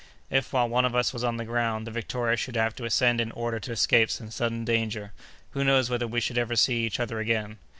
If, while one of us was on the ground, the Victoria should have to ascend in order to escape some sudden danger, who knows whether we should ever see each other again?